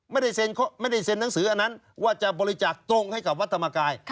ไม่ได้เซ็นหนังสืออันนั้นว่าจะบริจาคตรงให้กับวัดธรรมกาย